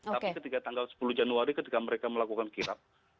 tapi ketika tanggal sepuluh januari ketika mereka melakukan kirap